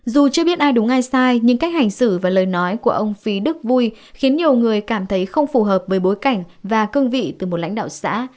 dù chưa biết ai đúng ai sai nhưng cách hành xử và lời nói của ông phí đức vui khiến nhiều người cảm thấy không phù hợp với bối cảnh và cương vị từ một lãnh đạo xã